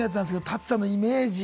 舘さんのイメージを。